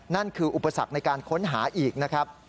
นั่นคืออุปสรรคในการค้นหาอีกนะครับ